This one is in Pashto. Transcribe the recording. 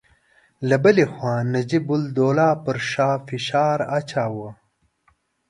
له بلې خوا نجیب الدوله پر شاه فشار اچاوه.